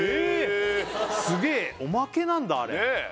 へえすげえおまけなんだあれねえ